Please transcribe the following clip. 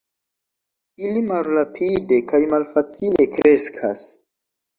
Ili malrapide kaj malfacile kreskas.